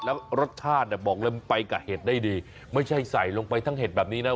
แล้วรสชาติเนี่ยบอกเลยมันไปกับเห็ดได้ดีไม่ใช่ใส่ลงไปทั้งเห็ดแบบนี้นะ